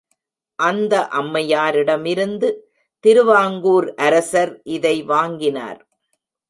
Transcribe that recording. அந்த அம்மையாரிடமிருந்து திருவாங்கூர் அரசர் இதை வாங்கினார்.